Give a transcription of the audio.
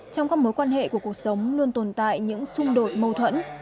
trong các mối quan hệ của cuộc sống luôn tồn tại những xung đột mâu thuẫn